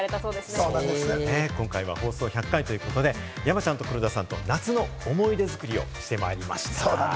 今回は放送１００回ということで山ちゃんと黒田さんと夏の思い出作りをしてまいりました。